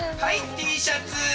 Ｔシャツ！